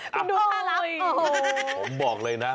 คุณดูค่ะเราโอ้โหผมบอกเลยนะ